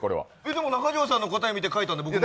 でも、中条さんの答え見て書いたんで、俺も。